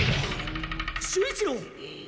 守一郎！